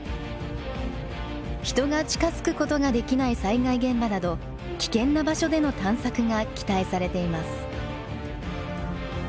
人が近づくことができない災害現場など危険な場所での探索が期待されています。